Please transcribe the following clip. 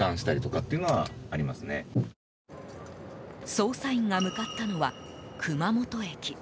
捜査員が向かったのは熊本駅。